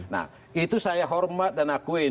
nah itu saya hormat dan akuin